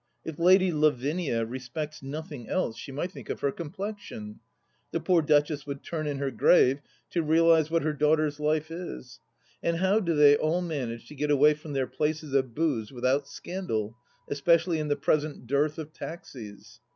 If Lady Lavinia respects nothing else she might think of her complexion 1 The poor Duchess would turn in her grave to realize what her daughter's life is. And how do they all manage to get away from their places of booze without scandal, especially in the present dearth of taxis